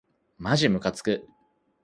まじむかつく